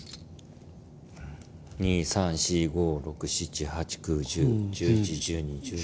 ２３４５６７８９１０１１１２１３。